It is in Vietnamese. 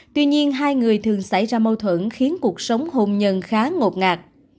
tuy nhiên hai người thường xảy ra mâu thuẫn khiến cuộc sống hôn nhân khá ngột ngạt